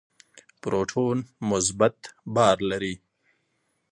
پروتون مثبت بار لري.